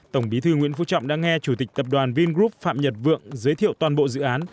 tổng bí thư nguyễn phú trọng đã nghe chủ tịch tập đoàn vingroup phạm nhật vượng giới thiệu toàn bộ dự án